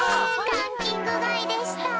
ランキングがいでした。